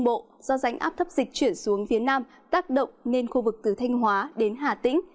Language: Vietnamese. do rãnh áp thấp dịch chuyển xuống phía nam tác động nên khu vực từ thanh hóa đến hà tĩnh